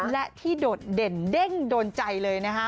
และที่โดดเด่นเด้งโดนใจเลยนะคะ